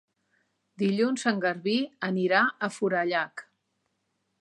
Dilluns en Garbí anirà a Forallac.